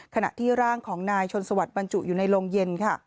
ขณะที่ร่างของนายชนสวัสดิบรรจุอยู่ในโรงเย็นค่ะ